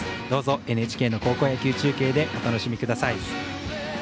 どうぞＮＨＫの高校野球中継でお楽しみください。